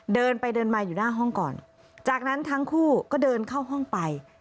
เดินไปเดินมาอยู่หน้าห้องก่อนจากนั้นทั้งคู่ก็เดินเข้าห้องไป